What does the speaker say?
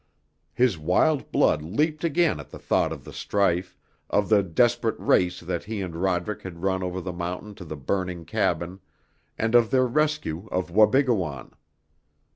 His wild blood leaped again at the thought of the strife, of the desperate race that he and Roderick had run over the mountain to the burning cabin, and of their rescue of Wabigoon.